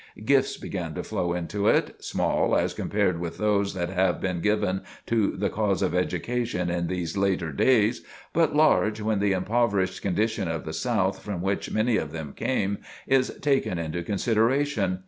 Gifts began to flow into it, small as compared with those that have been given to the cause of education in these later days, but large when the impoverished condition of the South from which many of them came, is taken into consideration.